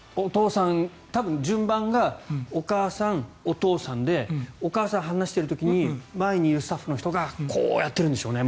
多分、順番がお母さん、お父さんでお母さんが話している時に前にいるスタッフの人がこうやってるんでしょうね。